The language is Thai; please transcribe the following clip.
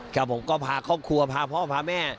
ครับผมก็พาครอบครัวพาพ่อพาแม่